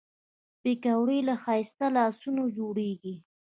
پکورې له ښایسته لاسونو جوړېږي